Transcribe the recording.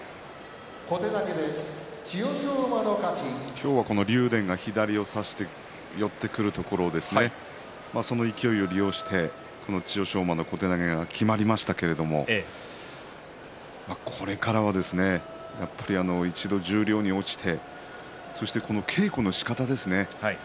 今日は竜電が左を差して寄ってくるところをその勢いを利用して千代翔馬の小手投げがきまりましたけれどもこれからはやっぱり一度、十両に落ちてそして稽古のしかたですね。